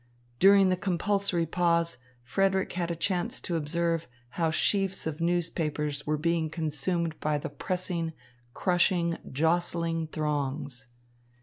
During the compulsory pause, Frederick had a chance to observe how sheafs of newspapers were being consumed by the pressing, crushing, jostling throngs.